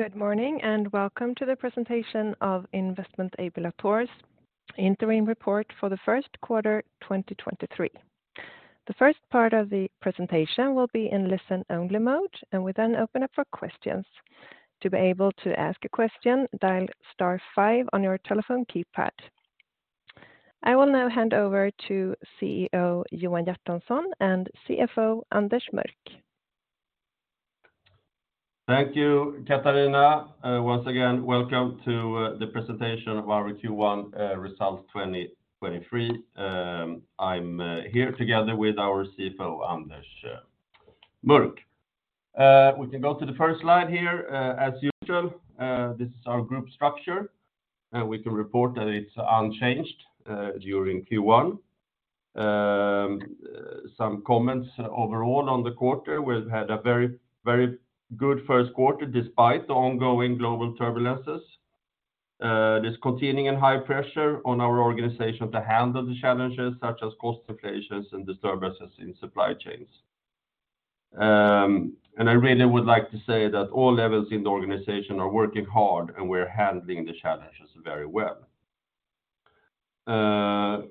Good morning, and welcome to the presentation of Investment AB Latour's interim report for the first quarter 2023. The first part of the presentation will be in listen-only mode, and we then open up for questions. To be able to ask a question, dial star 5 on your telephone keypad. I will now hand over to CEO Johan Hjertonsson and CFO Anders Mörck. Thank you, Katarina. Once again, welcome to the presentation of our Q1 results 2023. I'm here together with our CFO, Anders Mörck. We can go to the first slide here. As usual, this is our group structure. We can report that it's unchanged during Q1. Some comments overall on the quarter, we've had a very, very good first quarter despite the ongoing global turbulences. There's continuing and high pressure on our organization to handle the challenges such as cost inflations and disturbances in supply chains. I really would like to say that all levels in the organization are working hard, and we're handling the challenges very well.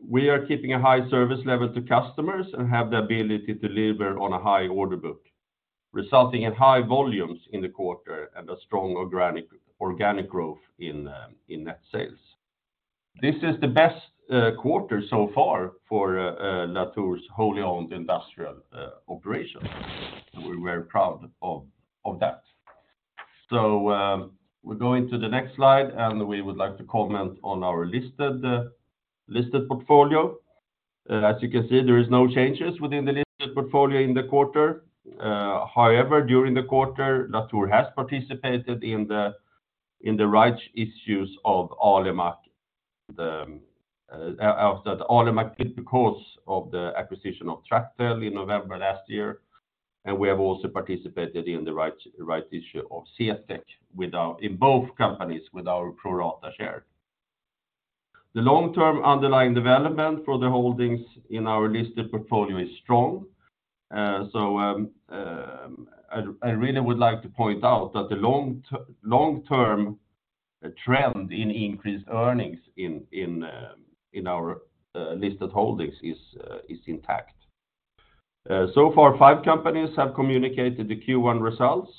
We are keeping a high service level to customers and have the ability to deliver on a high order book, resulting in high volumes in the quarter and a strong organic growth in net sales. This is the best quarter so far for Latour's wholly-owned industrial operations, and we're very proud of that. We go into the next slide, and we would like to comment on our listed portfolio. As you can see, there is no changes within the listed portfolio in the quarter. However, during the quarter, Latour has participated in the rights issues of Alimak after the Alimak because of the acquisition of Tractel in November last year. We have also participated in the right issue of CTEK in both companies with our pro rata share. The long-term underlying development for the holdings in our listed portfolio is strong. I really would like to point out that the long-term trend in increased earnings in our listed holdings is intact. So far, five companies have communicated the Q1 results,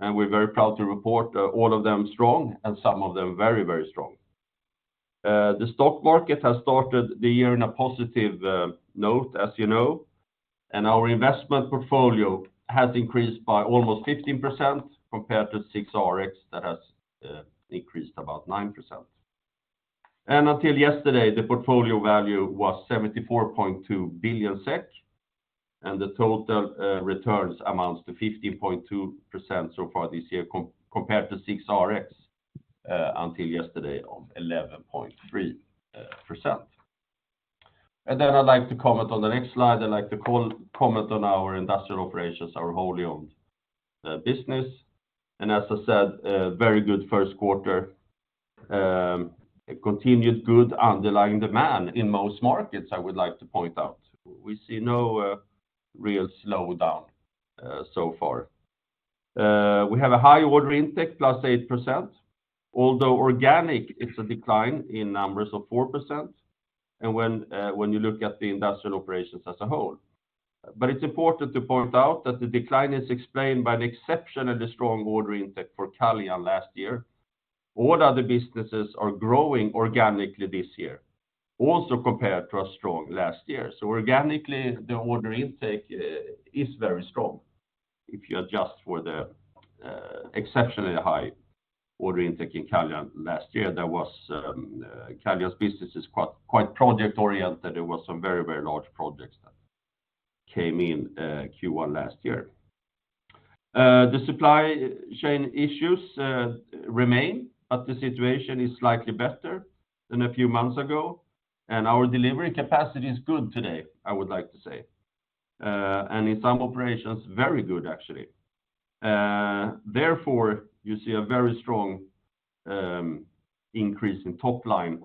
and we're very proud to report all of them strong and some of them very, very strong. The stock market has started the year in a positive note as you know, and our investment portfolio has increased by almost 15% compared to SIXRX that has increased about 9%. Until yesterday, the portfolio value was 74.2 billion SEK, and the total returns amounts to 15.2% so far this year compared to SIXRX until yesterday of 11.3%. I'd like to comment on the next slide. I'd like to comment on our industrial operations, our wholly owned business. As I said, a very good first quarter. A continued good underlying demand in most markets, I would like to point out. We see no real slowdown so far. We have a high order intake, +8%, although organic, it's a decline in numbers of 4% when you look at the industrial operations as a whole. It's important to point out that the decline is explained by the exception of the strong order intake for Caljan last year. All other businesses are growing organically this year, also compared to a strong last year. Organically, the order intake is very strong if you adjust for the exceptionally high order intake in Caljan last year. There was, Caljan's business is quite project-oriented. There were some very large projects that came in Q1 last year. The supply chain issues remain, but the situation is slightly better than a few months ago, and our delivery capacity is good today, I would like to say, and in some operations, very good, actually. Therefore, you see a very strong increase in top line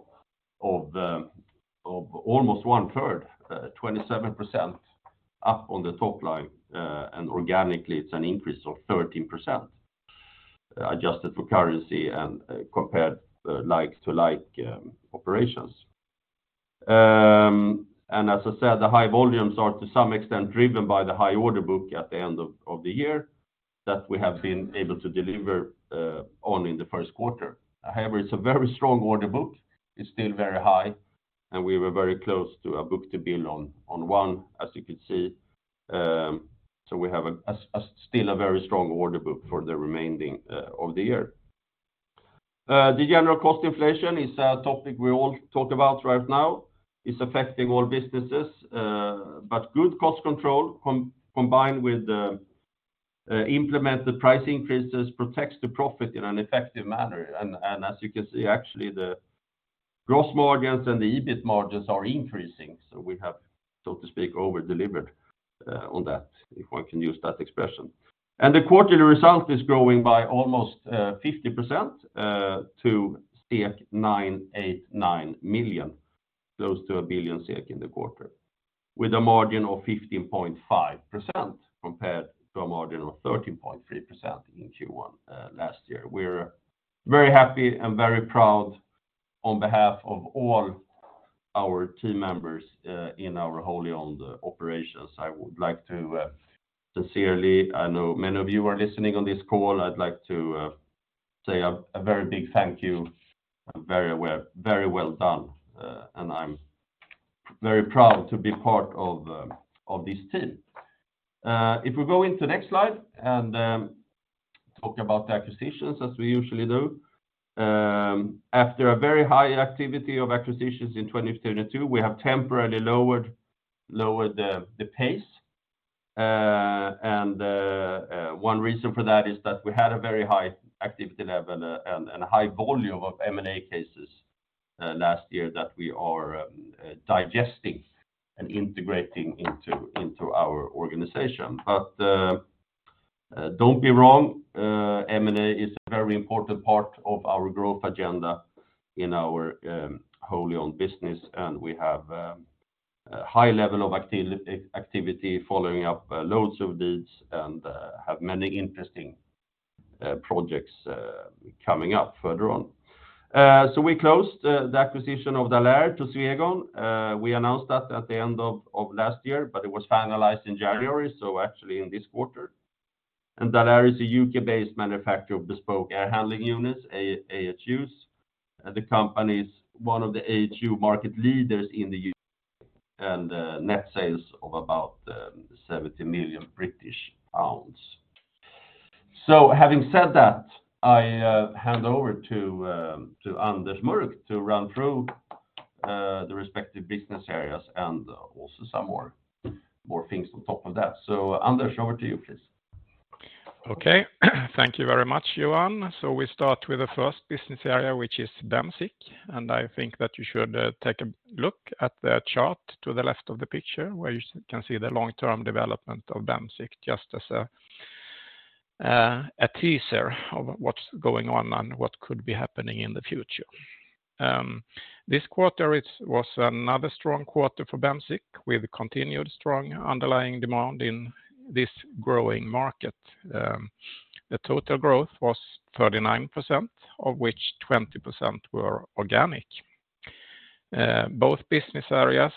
of almost 1/3, 27% up on the top line, and organically, it's an increase of 13%, adjusted for currency and compared like to like operations. As I said, the high volumes are to some extent driven by the high order book at the end of the year that we have been able to deliver on in the first quarter. It's a very strong order book. It's still very high, and we were very close to a book-to-bill on 1, as you can see. We have a still a very strong order book for the remaining of the year. The general cost inflation is a topic we all talk about right now. It's affecting all businesses, but good cost control combined with the implemented price increases protects the profit in an effective manner. As you can see, actually the gross margins and the EBIT margins are increasing, so we have, so to speak, over-delivered on that, if one can use that expression. The quarterly result is growing by almost 50% to 989 million, close to 1 billion in the quarter. With a margin of 15.5% compared to a margin of 13.3% in Q1 last year. We're very happy and very proud on behalf of all our team members in our wholly owned operations. I would like to sincerely, I know many of you are listening on this call. I'd like to say a very big thank you. Very well, very well done, and I'm very proud to be part of this team. If we go into the next slide and talk about the acquisitions as we usually do. After a very high activity of acquisitions in 2022, we have temporarily lowered the pace. One reason for that is that we had a very high activity level and a high volume of M&A cases last year that we are digesting and integrating into our organization. Don't be wrong, M&A is a very important part of our growth agenda in our wholly owned business, and we have a high level of activity following up loads of deals and have many interesting projects coming up further on. We closed the acquisition of Dalair to Swegon. We announced that at the end of last year, but it was finalized in January, so actually in this quarter. Dalair is a UK-based manufacturer of bespoke air handling units, AHUs. The company is one of the AHU market leaders in the UK, and net sales of about 70 million British pounds. Having said that, I hand over to Anders Mörck to run through the respective business areas and also some more things on top of that. Anders, over to you, please. Okay. Thank you very much, Johan. We start with the first business area, which is Bemsiq, and I think that you should take a look at the chart to the left of the picture, where you can see the long-term development of Bemsiq, just as a teaser of what's going on and what could be happening in the future. This quarter was another strong quarter for Bemsiq. We've continued strong underlying demand in this growing market. The total growth was 39%, of which 20% were organic. Both business areas,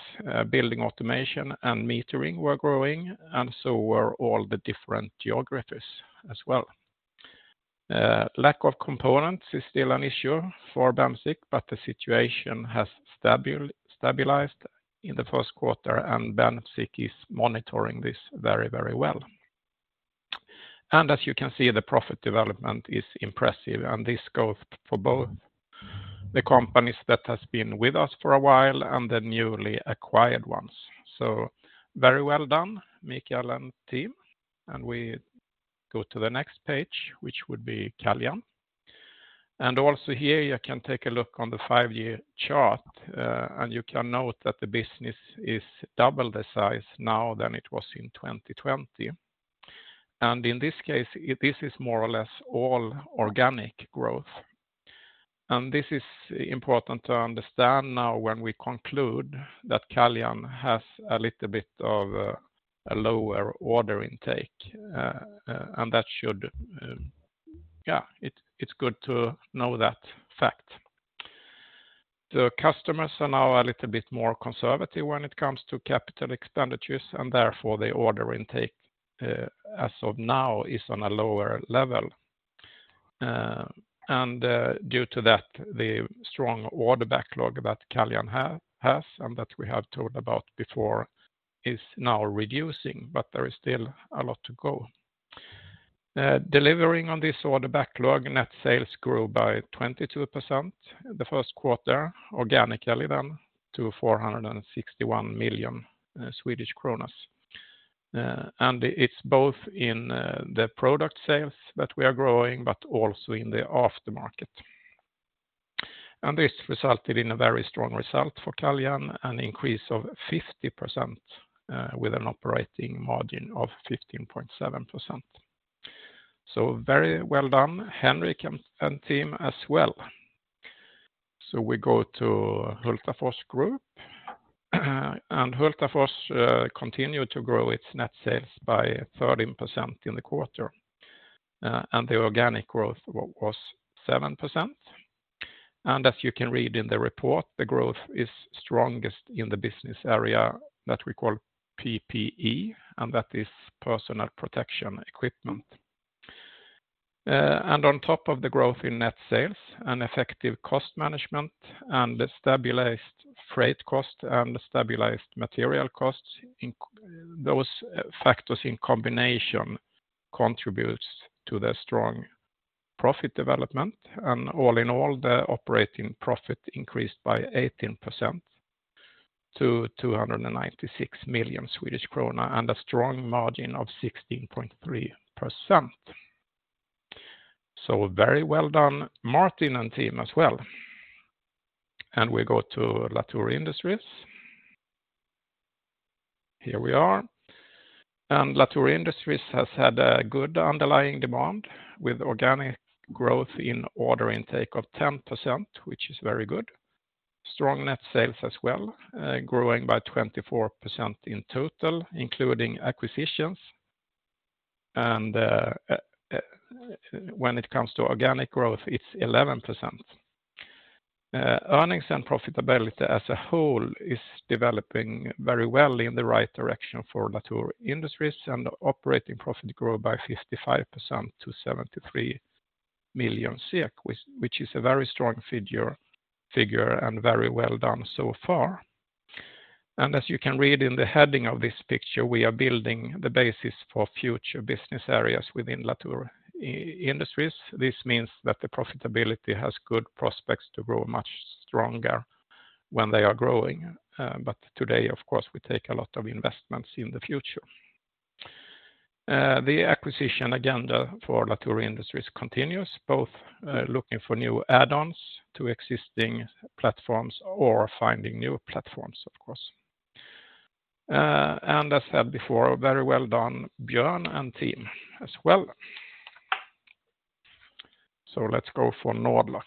building automation and metering were growing, and so were all the different geographies as well. Lack of components is still an issue for Bemsiq, but the situation has stabilized in the first quarter, and Bemsiq is monitoring this very, very well. As you can see, the profit development is impressive, this goes for both the companies that has been with us for a while and the newly acquired ones. Very well done, Mikael and team. We go to the next page, which would be Caljan. Also here, you can take a look on the five-year chart, and you can note that the business is double the size now than it was in 2020. In this case, this is more or less all organic growth. This is important to understand now when we conclude that Caljan has a little bit of a lower order intake. Yeah, it's good to know that fact. The customers are now a little bit more conservative when it comes to capital expenditures. Therefore, the order intake, as of now is on a lower level. Due to that, the strong order backlog that Caljan has and that we have talked about before is now reducing, but there is still a lot to go. Delivering on this order backlog, net sales grew by 22% the first quarter, organically then, to 461 million Swedish kronor. It's both in the product sales that we are growing, but also in the aftermarket. This resulted in a very strong result for Caljan, an increase of 50%, with an operating margin of 15.7%. Very well done, Henrik and team as well. We go to Hultafors Group. Hultafors continued to grow its net sales by 13% in the quarter, and the organic growth was 7%. As you can read in the report, the growth is strongest in the business area that we call PPE, and that is personal protection equipment. On top of the growth in net sales and effective cost management and the stabilized freight cost and the stabilized material costs, those factors in combination contributes to the strong profit development. All in all, the operating profit increased by 18% to 296 million Swedish krona and a strong margin of 16.3%. Very well done, Martin and team as well. We go to Latour Industries. Here we are. Latour Industries has had a good underlying demand with organic growth in order intake of 10%, which is very good. Strong net sales as well, growing by 24% in total, including acquisitions. When it comes to organic growth, it's 11%. Earnings and profitability as a whole is developing very well in the right direction for Latour Industries. Operating profit grew by 55% to 73 million SEK, which is a very strong figure and very well done so far. As you can read in the heading of this picture, we are building the basis for future business areas within Latour Industries. This means that the profitability has good prospects to grow much stronger when they are growing. Today, of course, we take a lot of investments in the future. The acquisition agenda for Latour Industries continues, both, looking for new add-ons to existing platforms or finding new platforms, of course. As said before, very well done, Björn and team as well. Let's go for Nord-Lock.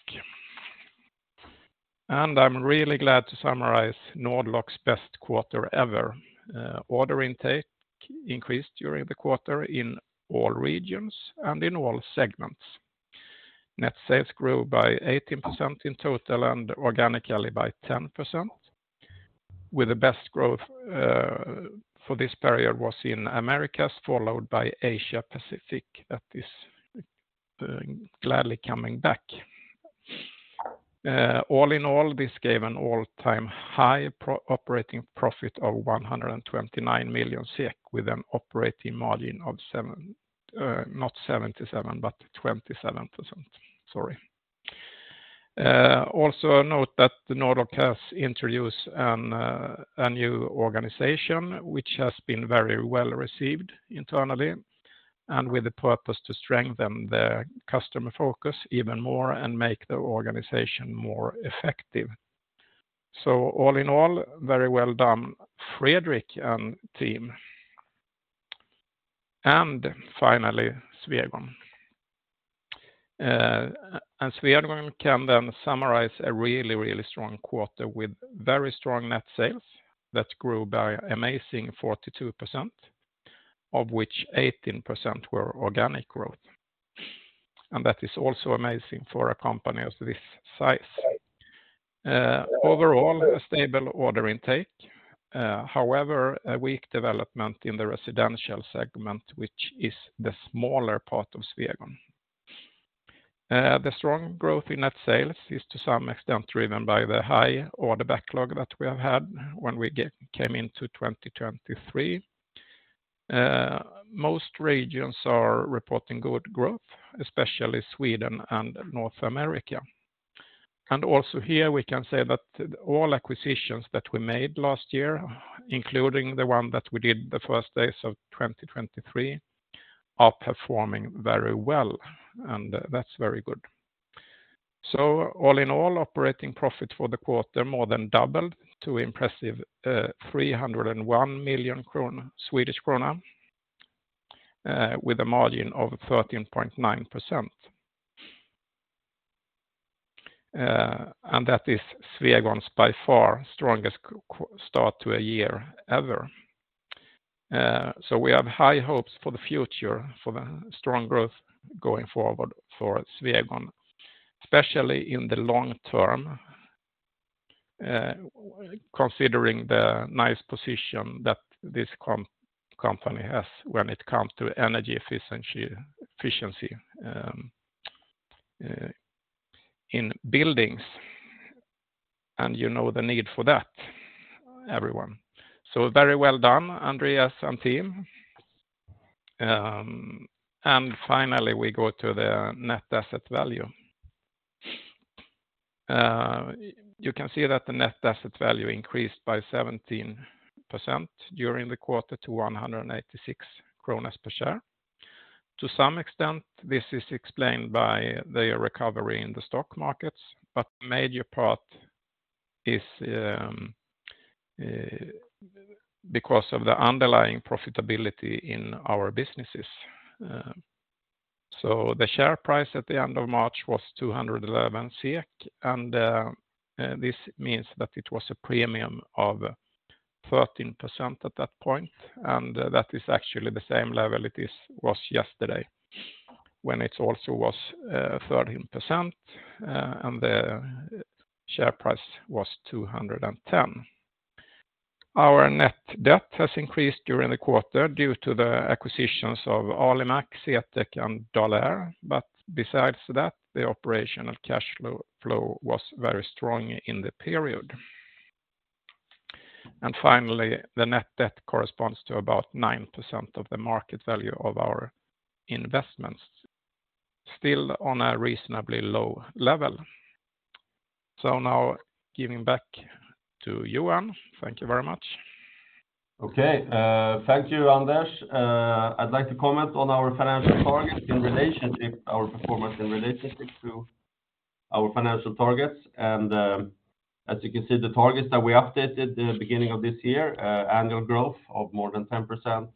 I'm really glad to summarize Nord-Lock's best quarter ever. Order intake increased during the quarter in all regions and in all segments. Net sales grew by 18% in total and organically by 10%, with the best growth, for this period was in Americas, followed by Asia-Pacific at this, gladly coming back. All in all, this gave an all-time high pro-operating profit of 129 million SEK with an operating margin of not 77%, but 27%. Sorry. Also note that Nord-Lock has introduced a new organization which has been very well-received internally and with the purpose to strengthen the customer focus even more and make the organization more effective. All in all, very well done, Fredrik and team. Finally, Swegon. Swegon can then summarize a really, really strong quarter with very strong net sales that grew by amazing 42%, of which 18% were organic growth. That is also amazing for a company of this size. Overall, a stable order intake. However, a weak development in the residential segment, which is the smaller part of Swegon. The strong growth in net sales is to some extent driven by the high order backlog that we have had when we came into 2023. Most regions are reporting good growth, especially Sweden and North America. Also here, we can say that all acquisitions that we made last year, including the one that we did the first days of 2023, are performing very well, and that's very good. All in all, operating profit for the quarter more than doubled to impressive 301 million, with a margin of 13.9%. That is Swegon's by far strongest start to a year ever. We have high hopes for the future for the strong growth going forward for Swegon, especially in the long term, considering the nice position that this company has when it comes to energy efficiency in buildings, and you know the need for that, everyone. Very well done, Andreas and team. Finally, we go to the net asset value. You can see that the net asset value increased by 17% during the quarter to 186 kronor per share. To some extent, this is explained by the recovery in the stock markets, major part is because of the underlying profitability in our businesses. The share price at the end of March was 211 SEK, this means that it was a premium of 13% at that point. That is actually the same level it was yesterday when it also was 13%, and the share price was 210. Our net debt has increased during the quarter due to the acquisitions of Alimak, SETEC and Doler. Besides that, the operational cash flow was very strong in the period. Finally, the net debt corresponds to about 9% of the market value of our investments, still on a reasonably low level. Now giving back to Johan. Thank you very much. Okay. Thank you, Anders. I'd like to comment on our financial targets, our performance in relationship to our financial targets. As you can see, the targets that we updated the beginning of this year, annual growth of more than 10%,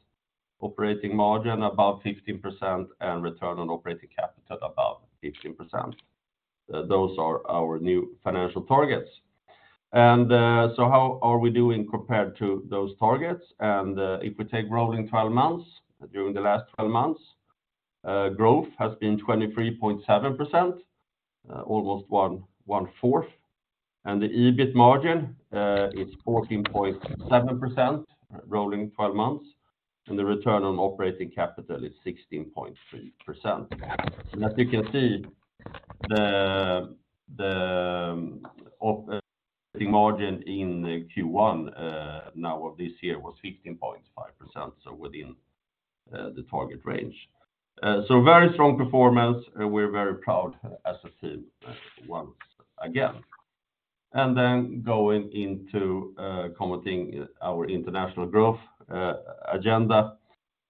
operating margin above 15%, and return on operating capital above 15%. Those are our new financial targets. How are we doing compared to those targets? If we take rolling 12 months, during the last 12 months, growth has been 23.7%, almost one-fourth. The EBIT margin is 14.7% rolling 12 months, and the return on operating capital is 16.3%. As you can see, the margin in Q1 now of this year was 15.5%, so within the target range. Very strong performance. We're very proud as a team once again. Going into commenting our international growth agenda.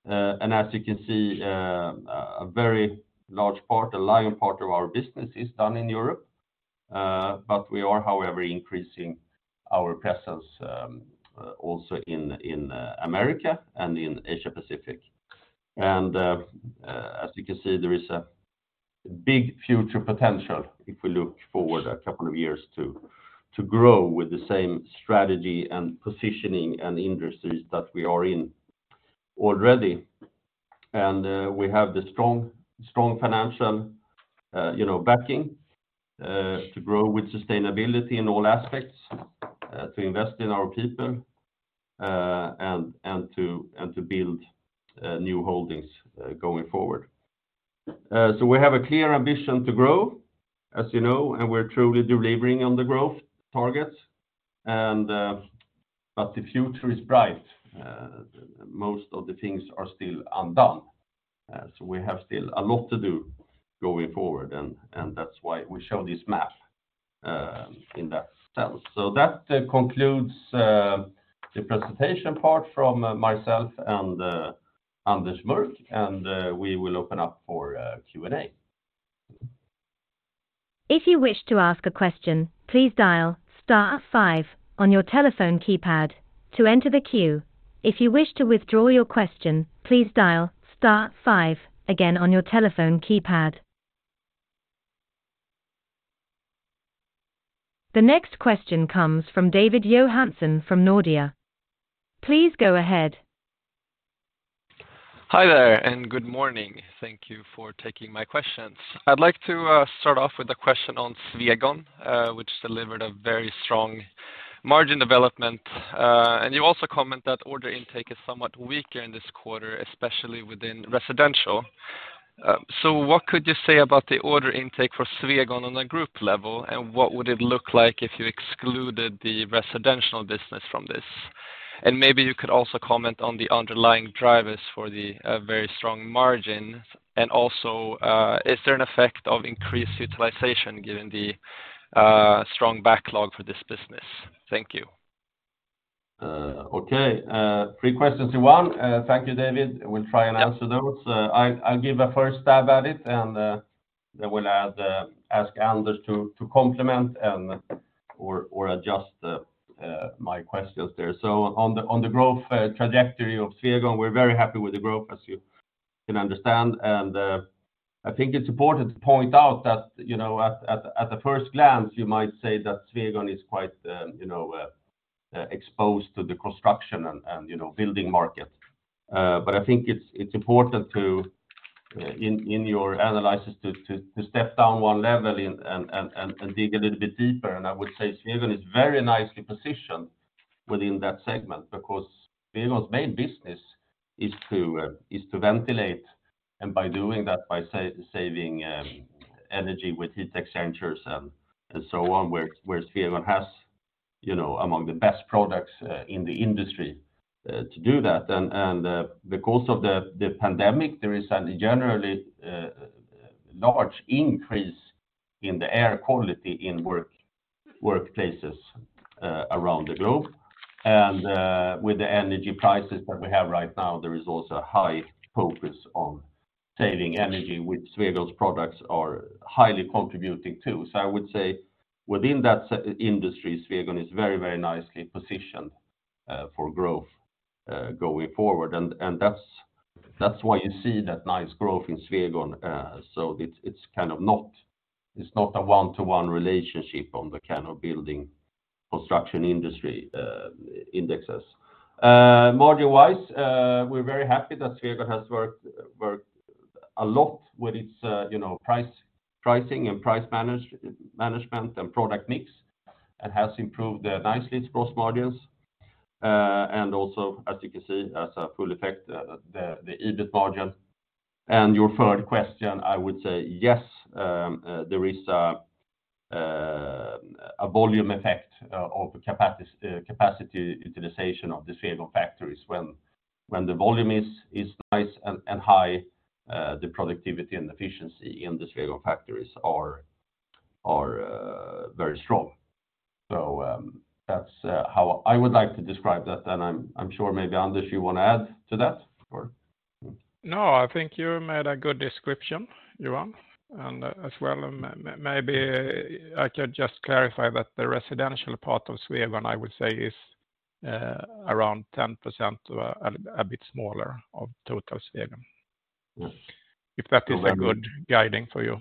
As you can see, a very large part, a lion part of our business is done in Europe, but we are, however, increasing our presence also in America and in Asia-Pacific. As you can see, there is a big future potential if we look forward a couple of years to grow with the same strategy and positioning and industries that we are in already. We have the strong financial, you know, backing, to grow with sustainability in all aspects, to invest in our people, and to build new holdings, going forward. We have a clear ambition to grow, as you know, and we're truly delivering on the growth targets. The future is bright. Most of the things are still undone. We have still a lot to do going forward, and that's why we show this map in that sense. That concludes the presentation part from myself and Anders Mörck, and we will open up for a Q&A. If you wish to ask a question, please dial star 5 on your telephone keypad to enter the queue. If you wish to withdraw your question, please dial star 5 again on your telephone keypad. The next question comes from David Johansson from Nordea. Please go ahead. Hi there, and good morning. Thank you for taking my questions. I'd like to start off with a question on Swegon, which delivered a very strong margin development. You also comment that order intake is somewhat weaker in this quarter, especially within residential. What could you say about the order intake for Swegon on a group level, and what would it look like if you excluded the residential business from this? Maybe you could also comment on the underlying drivers for the very strong margin. Also, is there an effect of increased utilization given the strong backlog for this business? Thank you. Okay. Three questions in one. Thank you, David. We'll try and answer those. I'll give a first stab at it, and then we'll add, ask Anders to complement and, or adjust, my questions there. On the growth, trajectory of Swegon, we're very happy with the growth, as you can understand. I think it's important to point out that, you know, at a first glance, you might say that Swegon is quite, you know, exposed to the construction and, you know, building market. I think it's important to, in your analysis to step down one level and dig a little bit deeper. I would say Swegon is very nicely positioned within that segment because Swegon's main business is to ventilate, and by doing that, by saving energy with heat exchangers and so on, where Swegon has, you know, among the best products in the industry to do that. Because of the pandemic, there is a generally large increase in the air quality in workplaces around the globe. With the energy prices that we have right now, there is also a high focus on saving energy, which Swegon's products are highly contributing to. I would say within that industry, Swegon is very nicely positioned for growth going forward. That's why you see that nice growth in Swegon. It's kind of not, it's not a one-to-one relationship on the kind of building construction industry indexes. Margin-wise, we're very happy that Swegon has worked a lot with its, you know, pricing and price management and product mix, and has improved nicely its gross margins. Also, as you can see, as a full effect, the EBIT margin. Your third question, I would say yes, there is a volume effect of capacity utilization of the Swegon factories. When the volume is nice and high, the productivity and efficiency in the Swegon factories are very strong. That's how I would like to describe that, and I'm sure maybe Anders, you want to add to that or? No, I think you made a good description, Johan. As well, maybe I can just clarify that the residential part of Swegon, I would say, is around 10% to a bit smaller of total Swegon. Yes. If that is a good guiding for you.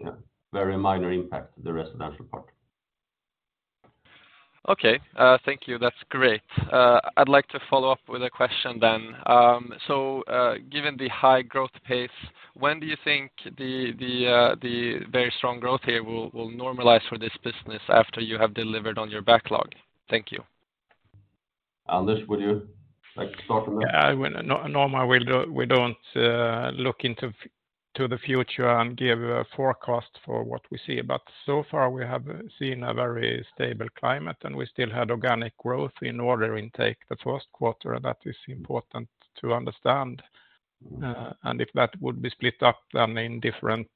Yeah. Very minor impact, the residential part. Okay. thank you. That's great. I'd like to follow up with a question then. given the high growth pace, when do you think the very strong growth here will normalize for this business after you have delivered on your backlog? Thank you. Anders, would you like to start on that? Yeah. Normal, we don't look into the future and give a forecast for what we see. So far, we have seen a very stable climate, we still had organic growth in order intake the first quarter, and that is important to understand. If that would be split up then in different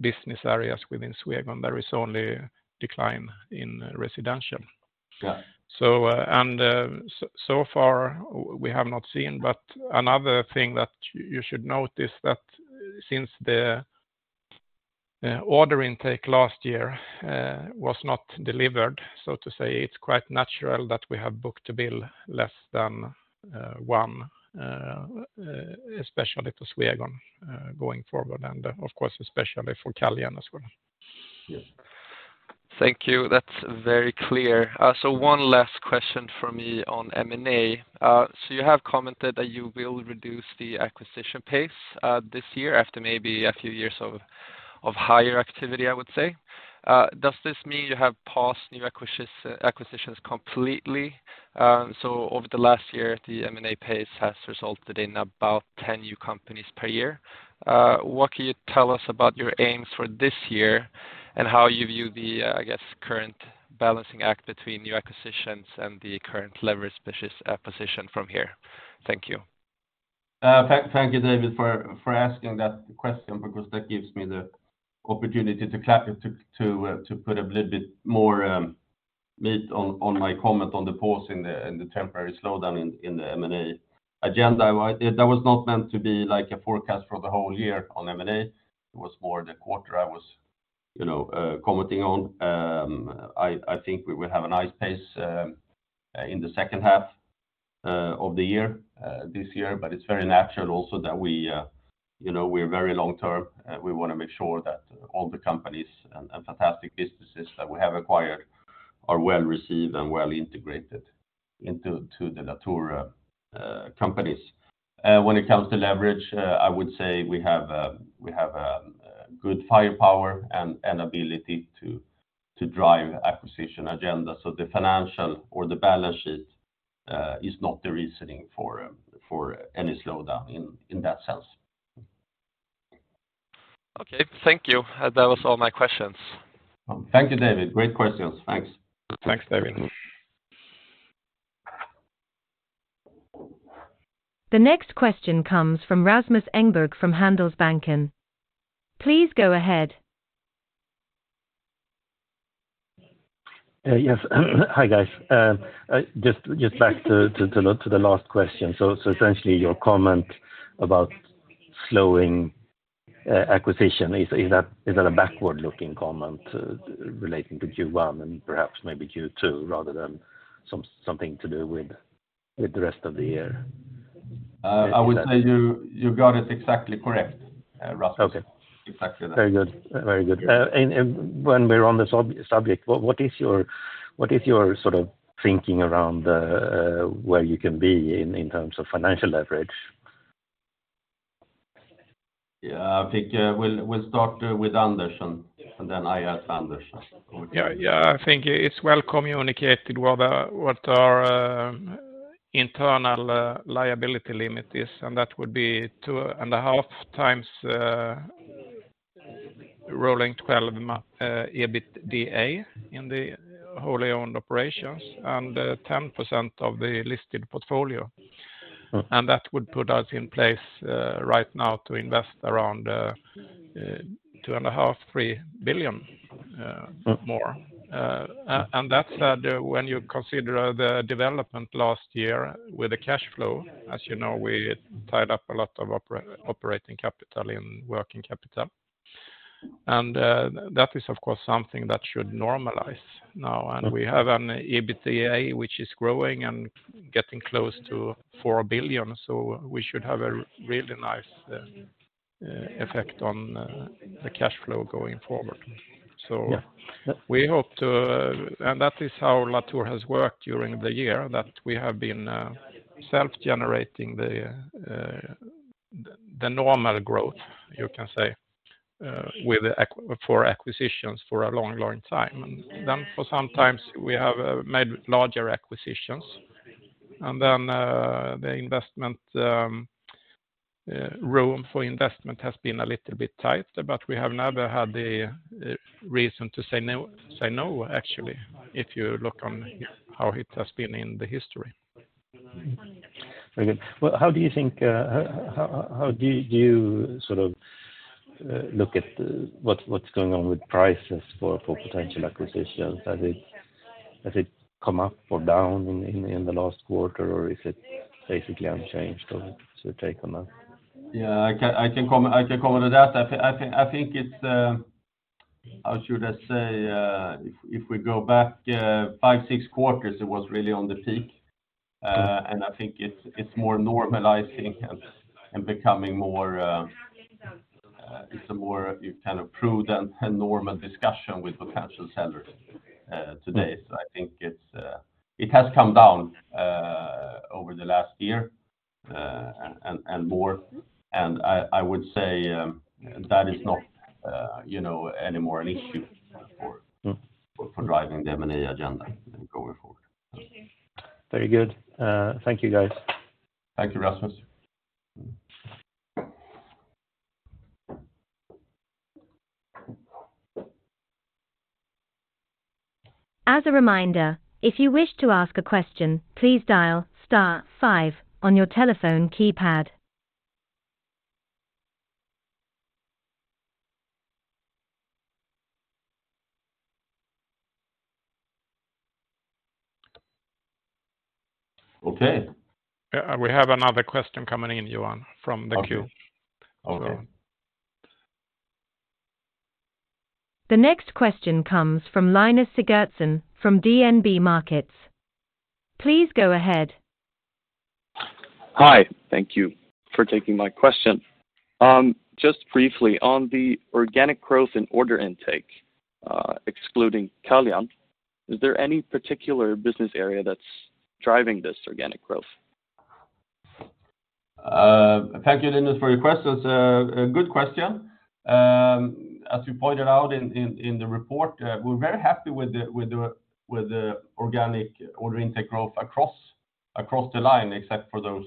business areas within Swegon, there is only decline in residential. Got it. So far, we have not seen. Another thing that you should note is that since the order intake last year was not delivered, so to say, it's quite natural that we have book-to-bill less than 1, especially for Swegon, going forward, and of course, especially for Caljan as well. Yes. Thank you. That's very clear. One last question from me on M&A. You have commented that you will reduce the acquisition pace this year after maybe a few years of higher activity, I would say. Does this mean you have paused new acquisitions completely? Over the last year, the M&A pace has resulted in about 10 new companies per year. What can you tell us about your aims for this year and how you view the, I guess, current balancing act between new acquisitions and the current leverage position from here? Thank you. Thank you, David, for asking that question because that gives me the opportunity to put a little bit more meat on my comment on the pause in the temporary slowdown in the M&A agenda. That was not meant to be like a forecast for the whole year on M&A. It was more the quarter I was, you know, commenting on. I think we will have a nice pace in the second half of the year this year. It's very natural also that we, you know, we're very long term. We wanna make sure that all the companies and fantastic businesses that we have acquired are well-received and well-integrated into the Latour companies. When it comes to leverage, I would say we have good firepower and ability to drive acquisition agenda. So the financial or the balance sheet is not the reasoning for any slowdown in that sense Okay. Thank you. That was all my questions. Thank you, David. Great questions. Thanks. Thanks, David. The next question comes from Rasmus Engberg from Handelsbanken. Please go ahead. Yes. Hi, guys. Just back to the last question. Essentially, your comment about slowing acquisition, is that a backward-looking comment, relating to Q1 and perhaps maybe Q2 rather than something to do with the rest of the year? I would say you got it exactly correct, Rasmus. Okay. Exactly that. Very good. Very good. When we're on this subject, what is your sort of thinking around, where you can be in terms of financial leverage? Yeah. I think, we'll start with Anders, and then I ask Anders. Yeah. Yeah. I think it's well communicated what our internal liability limit is, and that would be 2.5x rolling 12 EBITDA in the wholly owned operations and 10% of the listed portfolio. Mm-hmm. That would put us in place right now to invest around 2.5 billion-3 billion more. That's when you consider the development last year with the cash flow, as you know, we tied up a lot of operating capital in working capital. That is, of course, something that should normalize now. We have an EBITDA which is growing and getting close to 4 billion, so we should have a really nice effect on the cash flow going forward. Yeah. That is how Latour has worked during the year, that we have been self-generating the normal growth, you can say, for acquisitions for a long, long time. For sometimes we have made larger acquisitions. Then the investment room for investment has been a little bit tight, but we have never had the reason to say no, actually, if you look on how it has been in the history. Very good. Well, how do you think, how do you sort of look at what's going on with prices for potential acquisitions? Has it come up or down in the last quarter, or is it basically unchanged? What was your take on that? Yeah, I can comment on that. I think it's, how should I say? If we go back, five, six quarters, it was really on the peak. I think it's more normalizing and becoming more, it's a more kind of prudent and normal discussion with potential sellers, today. I think it's... It has come down, over the last year, and more. I would say, that is not, you know, any more an issue for driving the M&A agenda going forward. Very good. Thank you guys. Thank you, Rasmus. As a reminder, if you wish to ask a question, please dial star five on your telephone keypad. Okay. We have another question coming in, Johan, from the queue. Okay. The next question comes from Linus Sigurdson from DNB Markets. Please go ahead. Hi. Thank you for taking my question. just briefly, on the organic growth and order intake, excluding Caljan, is there any particular business area that's driving this organic growth? Thank you Linus for your question. It's a good question. As you pointed out in the report, we're very happy with the organic order intake growth across the line, except for those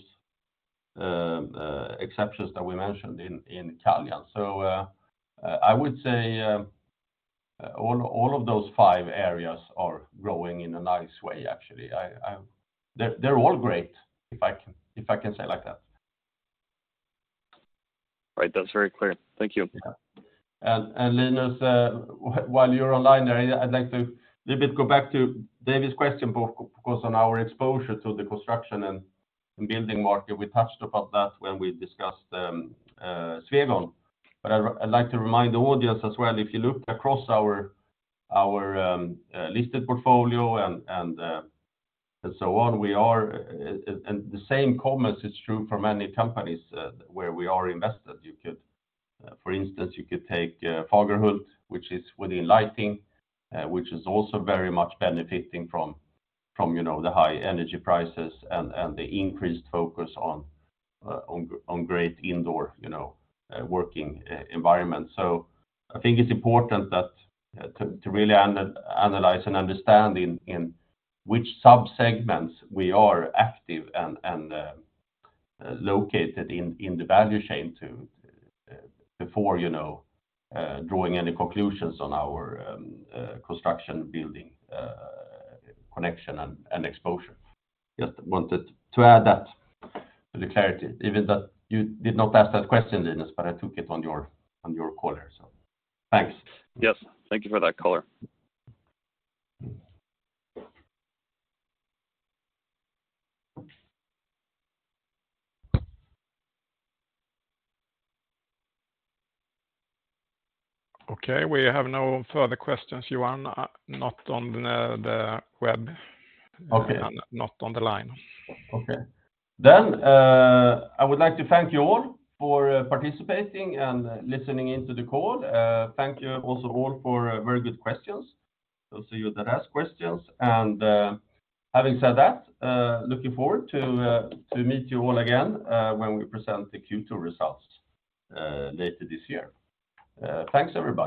exceptions that we mentioned in Caljan. I would say all of those five areas are growing in a nice way, actually. They're all great, if I can say it like that. Right. That's very clear. Thank you. Yeah. Linus, while you're online there, I'd like to a little bit go back to David's question of course, on our exposure to the construction and building market. We touched about that when we discussed Swegon. I'd like to remind the audience as well, if you look across our listed portfolio and so on, we are... The same comments is true for many companies where we are invested. For instance, you could take Fagerhult, which is within lighting, which is also very much benefiting from, you know, the high energy prices and the increased focus on great indoor, you know, working environment. I think it's important that to really analyze and understand in which sub-segments we are active and located in the value chain to before, you know, drawing any conclusions on our construction building connection and exposure. Just wanted to add that for the clarity, even that you did not ask that question, Linus, but I took it on your caller, so thanks. Yes. Thank you for that color. Okay. We have no further questions, Johan. Okay. Not on the line. Okay. I would like to thank you all for participating and listening in to the call. Thank you also all for very good questions. Those of you that asked questions. Having said that, looking forward to meet you all again, when we present the Q2 results later this year. Thanks everybody.